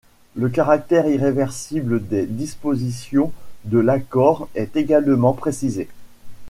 Le caractère irréversible des dispositions de l'accord est également précisé.